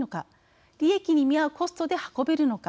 利益に見合うコストで運べるのか。